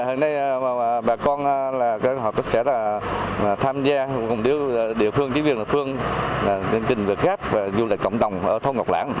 hôm nay bà con sẽ tham gia cùng địa phương chính viên địa phương tiến trình về khách và du lịch cộng đồng ở thông ngọc lãng